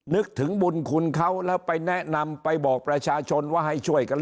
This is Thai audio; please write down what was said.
นึกถึงบุญคุณเขาแล้วไปแนะนำไปบอกประชาชนว่าให้ช่วยกัน